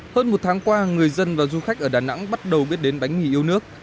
hơn một tháng qua người dân và du khách ở đà nẵng bắt đầu biết đến bánh mì yêu nước